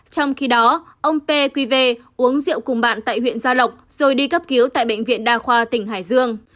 trong khi đó ông pqv uống rượu cùng bạn tại huyện gia lộc rồi đi cấp cứu tại bệnh viện đa khoa tỉnh hải dương